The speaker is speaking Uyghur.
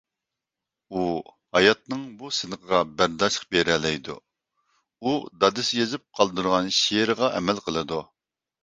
ئۇ ھاياتنىڭ بۇ سىنىقىغا بەرداشلىق بېرەلەيدۇ. ئۇ دادىسى يېزىپ قالدۇرغان شېئىرغا ئەمەل قىلىدۇ